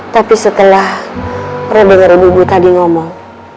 tapi setelah ra denger ibu ibu tadi ngomong